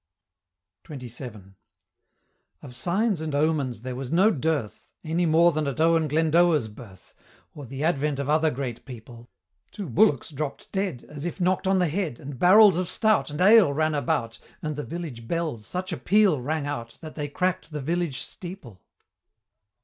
XXVII. Of signs and omens there was no dearth, Any more than at Owen Glendower's birth, Or the advent of other great people Two bullocks dropp'd dead, As if knock'd on the head, And barrels of stout And ale ran about, And the village bells such a peal rang out, That they crack'd the village steeple.